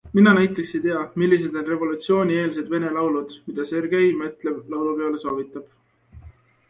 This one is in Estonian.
Mina näiteks ei tea, millised on revolutsioonieelsed vene laulud, mida Sergei Metlev laulupeole soovitab.